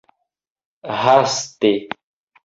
haste